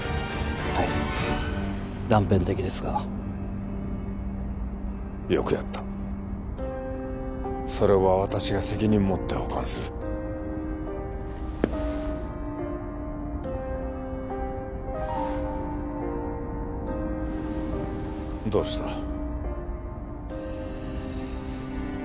はい断片的ですがよくやったそれは私が責任持って保管するどうした？